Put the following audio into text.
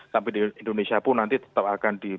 sampai di indonesia pun nanti tetap akan di